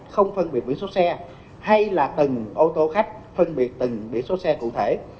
không phân biệt biển số xe hay là từng ô tô khách phân biệt từng biển số xe cụ thể